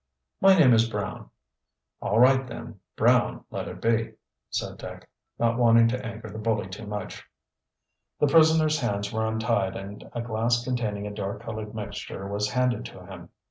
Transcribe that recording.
"My name is Brown." "All right then, Brown let it be," said Dick, not wanting to anger the bully too much. The prisoner's hands were untied and a glass containing a dark colored mixture was handed to him.